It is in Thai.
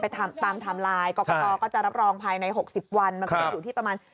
ไปทำตามทำลายก็ก็ก็จะรับรองภัยในหกสิบวันครับมันก็จะอยู่ที่ประมาณ